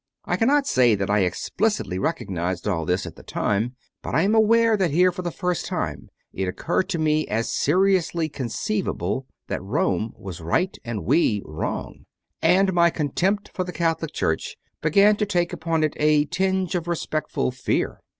I cannot say that I explicitly recog nized all this at the time, but I am aware that here for the first time it occurred to me as seriously conceivable that Rome was right and we wrong; and my contempt for the Catholic Church began to 46 CONFESSIONS OF A CONVERT take upon it a tinge of respectful fear.